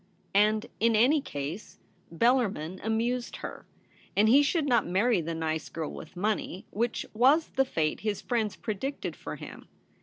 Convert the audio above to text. And, in any case, Bellarmin amused her ; and he should not marry the nice girl with money, which was the fate his friends predicted for him.